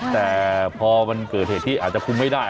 แต่พอมันเกิดเหตุที่อาจจะคุมไม่ได้